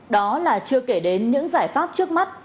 đó là chưa kể đến những giải pháp trước mắt